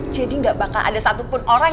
jadi gak bakal ada satupun orang